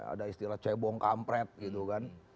ada istilah cebong kampret gitu kan